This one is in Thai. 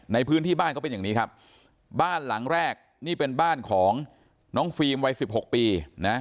ในพื้นที่บ้านเขาเป็นอย่างนี้ครับบ้านหลังแรกนี่เป็นบ้านของน้องฟิล์มวัยสิบหกปีนะ